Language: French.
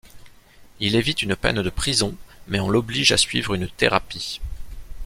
Il évite une peine de prison mais on l'oblige à suivre une thérapie.